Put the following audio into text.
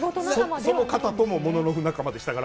その方とももののふ仲間でしたから。